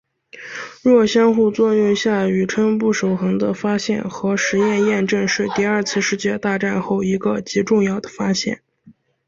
弱相互作用下宇称不守恒的发现和实验验证是第二次世界大战后一个极重要的发现。